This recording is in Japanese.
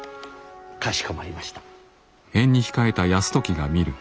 かしこまりました。